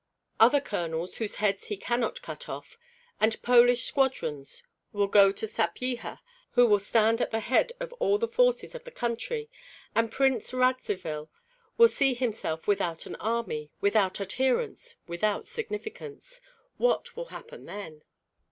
Other colonels whose heads he cannot cut off, and Polish squadrons will go to Sapyeha, who will stand at the head of all the forces of the country, and Prince Radzivill will see himself without an army, without adherents, without significance. What will happen then?